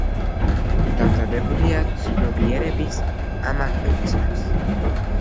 დამზადებულია ცნობიერების ამაღლებისთვის.